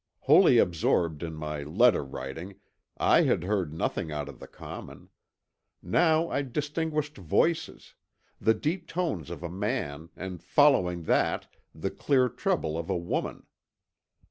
Wholly absorbed in my letter writing I had heard nothing out of the common. Now I distinguished voices, the deep tones of a man and following that the clear treble of a woman.